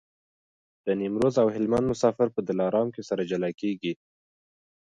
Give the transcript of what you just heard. د نیمروز او هلمند مسافر په دلارام کي سره جلا کېږي.